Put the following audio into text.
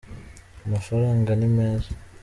amafaranga nimeza